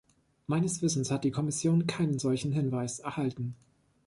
Meines Wissens hat die Kommission keinen solchen Hinweis erhalten.